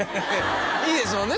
いいですもんね